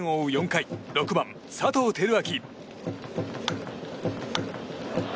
４回６番、佐藤輝明。